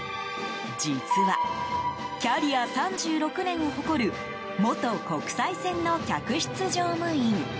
実は、キャリア３６年を誇る元国際線の客室乗務員。